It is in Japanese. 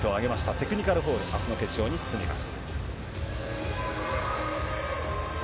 テクニカルフォール、あすの決勝に進みます。